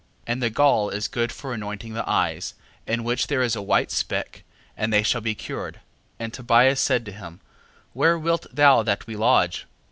And the gall is good for anointing the eyes, in which there is a white speck, and they shall be cured. 6:10. And Tobias said to him: Where wilt thou that we lodge?